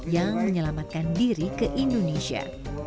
yang menyelamatkan diri ke indonesia